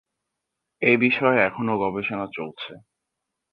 এ বিষয়ে এখনো গবেষণা চলছে।